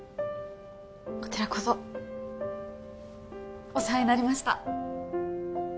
こちらこそお世話になりました